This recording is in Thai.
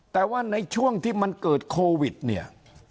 แต่ว่าในช่วงที่มันเกิดโควิดเนี่ย